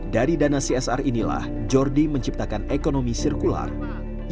dari dana csr inilah jordi menciptakan ekonomi dan kemampuan